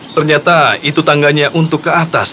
ternyata itu tangganya untuk ke atas